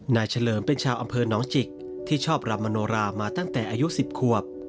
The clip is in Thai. เฉลิมเป็นชาวอำเภอน้องจิกที่ชอบรำมโนรามาตั้งแต่อายุ๑๐ขวบ